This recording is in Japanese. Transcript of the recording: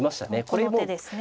この手ですね。